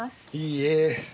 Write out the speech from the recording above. いいえ。